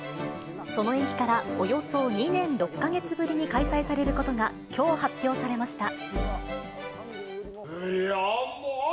その延期からおよそ２年６か月ぶりに開催されることが、きょう、発表されました。